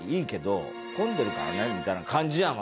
みたいな感じなの。